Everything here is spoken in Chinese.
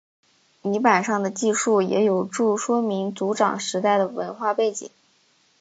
泥版上的记述也有助说明族长时代的文化背景。